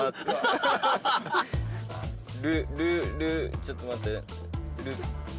ちょっと待って。